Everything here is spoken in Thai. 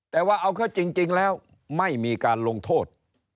แต่ว่าเอาเข้าจริงแล้วไม่มีการลงโทษ